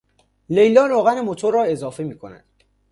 لیلا روغن موتور را اضافه میکند.